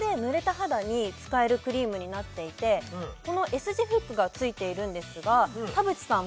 肌に使えるクリームになっていてこのＳ字フックがついているんですが田渕さん